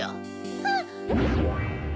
あっ！